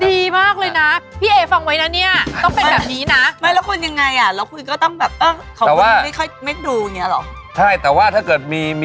ดีมากเลยนะพี่เอฟังไว้นะเนี่ยต้องเป็นแบบนี้นะ